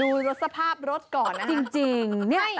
ดูภาพรถก่อนนะคะจริง